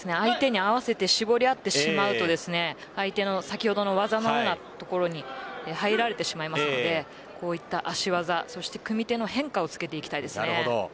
相手に合わせて絞り合ってしまうと相手の先ほどの技のところに入られてしまいますのでこういった足技そして組み手の変化をつけていきたいです。